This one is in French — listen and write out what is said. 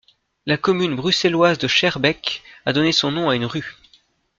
La commune bruxelloise de Schaerbeek a donné son nom à une rue.